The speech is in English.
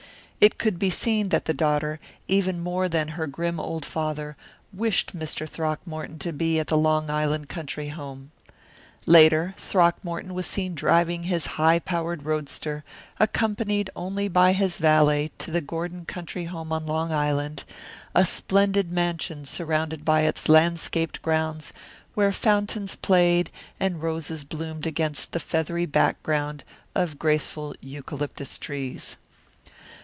It could be seen that the daughter, even more than her grim old father, wished Mr. Throckmorton to be at the Long Island country home. Later Throckmorton was seen driving his high powered roadster, accompanied only by his valet, to the Gordon country home on Long Island, a splendid mansion surrounded by its landscaped grounds where fountains played and roses bloomed against the feathery background of graceful eucalyptus trees.